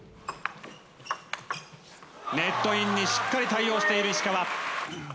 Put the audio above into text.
ネットインにしっかり対応している石川。